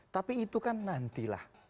tapi itu kan nantilah